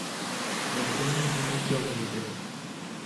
Antônio Nunes de Almeida